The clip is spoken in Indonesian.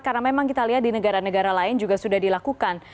karena memang kita lihat di negara negara lain juga sudah dilakukan